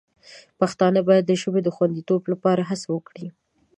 پښتانه باید د ژبې د خوندیتوب لپاره هڅه وکړي.